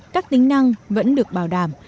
các tính năng vẫn được bảo đảm